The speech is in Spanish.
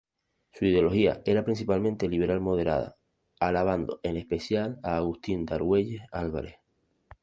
Su ideología era principalmente liberal moderada, alabando en especial a Agustín de Argüelles Álvarez.